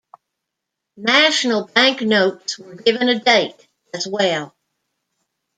National Bank Notes were given a date as well.